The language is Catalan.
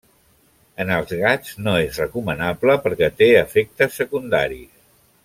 En els gats no és recomanable perquè té efectes secundaris.